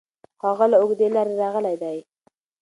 هغه له اوږدې لارې راغلی دی.